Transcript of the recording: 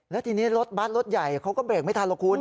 แล้วทีนี้รถบัสรถใหญ่เขาก็เบรกไม่ทันหรอกคุณ